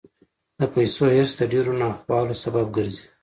د پیسو حرص د ډېرو ناخوالو سبب ګرځي.